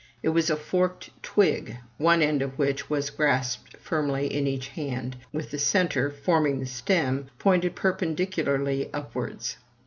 It was a forked twig, one end of which was grasped firmly in each hand, while the centre, forming the stem, pointed perpendicularly upwards.